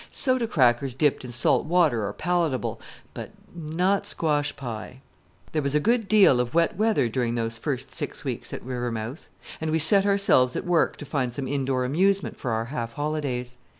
Soda crackers dipped in salt water are palatable, but not squash pie. There was a good deal of wet weather during those first six weeks at Rivermouth, and we set ourselves at work to find some indoor amusement for our half holidays.